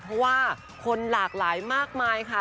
เพราะว่าคนหลากหลายมากมายค่ะ